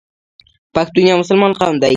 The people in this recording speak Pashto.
پښتون یو مسلمان قوم دی.